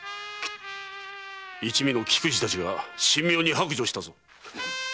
一味の菊次たちが神妙に白状したぞ。